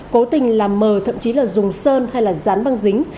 cố tình làm mờ thậm chí là dùng sơn hay là dán băng dính